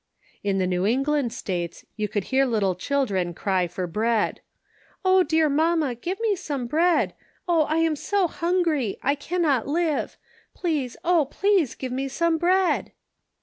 In the New England States you could hear little children cry for bread I " Oh, dear mamma, give me some bread I THE CONSPIRATORS AND LOVERS. 391 Oh, I am so hungry ; I cannot live. Please, oh, please give me some bread